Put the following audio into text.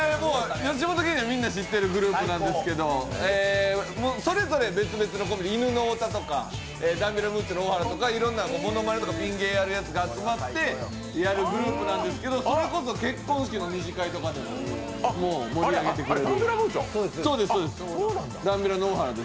吉本芸人はみんな知っている芸人なんですけど、それぞれ別のコンビなんですけど、いろんなものまねとかピン芸やるやつが集まってやるグループなんですけどそれこそ結婚式の２次会とかでもう盛り上げてくれる。